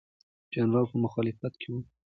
جنرالان په مخالفت کې وو.